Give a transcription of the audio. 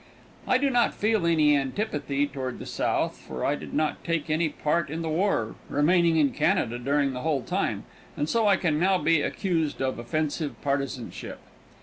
I do not feel any antipathy toward the South, for I did not take any part in the war, remaining in Canada during the whole time, and so I can not now be accused of offensive partisanship.